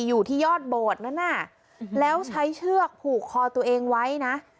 อยู่ที่ยอดโบสถ์นั้นน่ะแล้วใช้เชือกผูกคอตัวเองไว้นะ